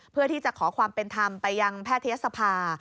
เพื่อที่จะขอความเป็นธรรมไปยังแพทยศภา